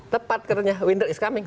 tepat katanya winter is coming